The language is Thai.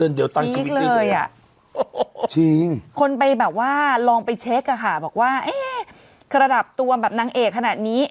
เดี๋ยวตอนนี้คนไปแบบว่าลองไปเช็คอะค่ะบอกว่าเอ๊ะระดับตัวแบบนางเอกขนาดนี้